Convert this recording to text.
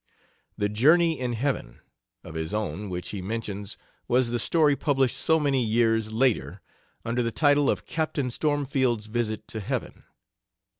"The Journey in Heaven," of his own, which he mentions, was the story published so many years later under the title of "Captain Stormfield's Visit to Heaven."